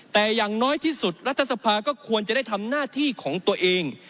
แต่อย่างน้อยที่สุดรัฐสภาก็ควรจะได้ทำหน้าที่ของตัวเอง